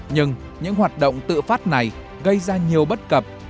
nhưng những hoạt động tự phát này gây ra nhiều bất cập